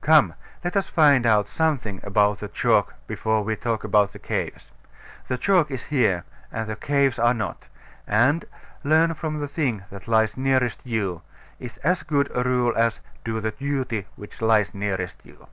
Come, let us find out something about the chalk before we talk about the caves. The chalk is here, and the caves are not; and "Learn from the thing that lies nearest you" is as good a rule as "Do the duty which lies nearest you."